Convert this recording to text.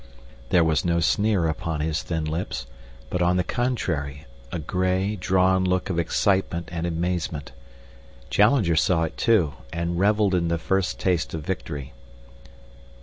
There was no sneer upon his thin lips, but, on the contrary, a gray, drawn look of excitement and amazement. Challenger saw it, too, and reveled in the first taste of victory.